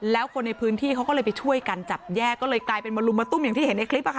แล้วคนในพื้นที่เขาก็เลยไปช่วยกันจับแยกก็เลยกลายเป็นมาลุมมาตุ้มอย่างที่เห็นในคลิป